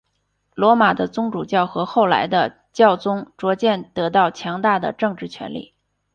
罗马的宗主教和后来的教宗逐渐得到强大的政治权力。